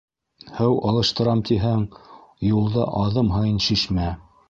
Һыу алыштырам тиһәң, юлда аҙым һайын шишмә.